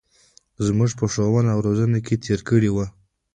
زمـوږ په ښـوونه او روزنـه کـې تېـر کـړى و.